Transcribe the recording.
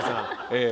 ええ。